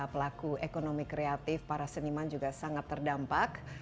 pelaku ekonomi kreatif para seniman juga sangat terdampak